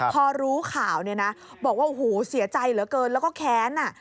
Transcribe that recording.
พอรู้ข่าวนี่นะบอกว่าเสียใจเหลือเกินแล้วก็แค้น